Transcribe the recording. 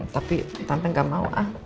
tapi tante gak mau ah